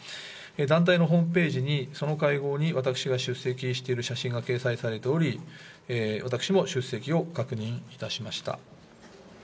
団体のホームページに、その会合に私が出席している写真が掲載されており、私も出席を確認いたしました。